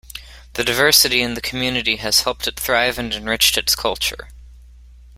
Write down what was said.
The diversity in the community has helped it thrive and enriched its culture.